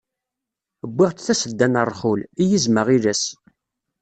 Wwiɣ-d tasedda n rrxul, i yizem aɣilas.